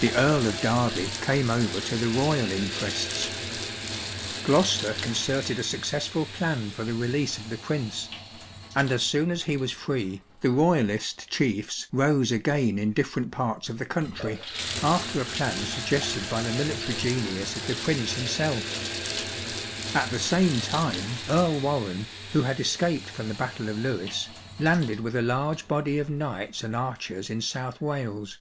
The Earl of Derby came over to the royal interests ; Gloucester concerted a suc cessful plan for the release of the Prince ; and as soon as he was free, the Royalist chiefs rose again in different parts of the country after a plan suggested by the military genius of the Prince himself. At the same time Earl Warrenne, who had escaped from the battle of Lewes, landed with a large body of knights and archers in South Wales.